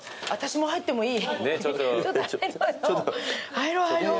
入ろう入ろう。